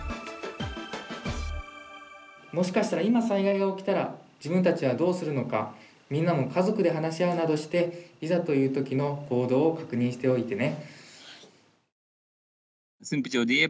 もしかしたら今、災害が起きたら自分たちはどうするのかみんなも家族で話し合うなどしていざというときの行動を確認しておいてね。